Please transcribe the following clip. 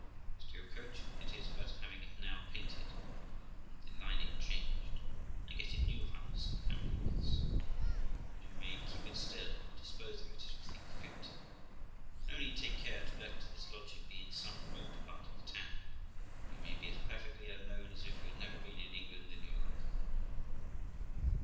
As to your coach, it is but having it new painted and the lining changed, and getting new harness and hammercloths, and you may keep it still, or dispose of it as you think fit. And only take care to let this lodging be in some remote part of the town, and you may be as perfectly unknown as if you had never been in England in your life.'